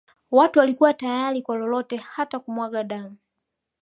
Watu walikuwa tayari kwa lolote hata kumwaga damu